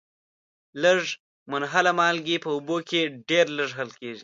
لږي منحله مالګې په اوبو کې ډیر لږ حل کیږي.